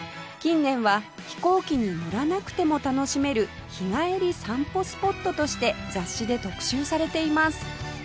近年は飛行機に乗らなくても楽しめる日帰り散歩スポットとして雑誌で特集されています